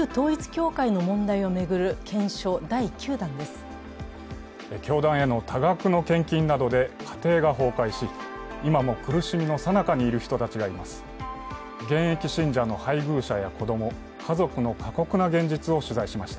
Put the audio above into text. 教団への多額の献金などで家庭が崩壊し今も苦しみのさなかにいる人たちがいます。